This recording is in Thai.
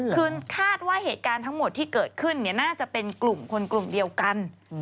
คือคาดว่าเหตุการณ์ทั้งหมดที่เกิดขึ้นน่าจะเป็นกลุ่มคนกลุ่มเดียวกัน